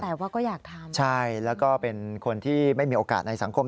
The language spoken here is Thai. แต่ว่าก็อยากทำใช่แล้วก็เป็นคนที่ไม่มีโอกาสในสังคม